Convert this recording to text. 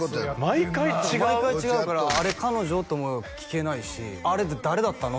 毎回違うからあれ彼女？とも聞けないしあれって誰だったの？